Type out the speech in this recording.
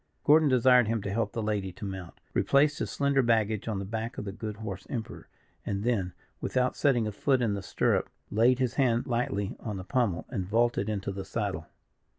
Gordon desired him to help the lady to mount, replaced his slender baggage on the back of the good horse Emperor, and then, without setting a foot in the stirrup, laid his hand lightly on the pummel, and vaulted into the saddle.